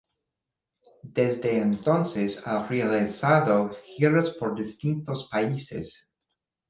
Desde entonces ha realizado giras por distintos países.